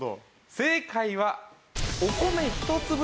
正解は。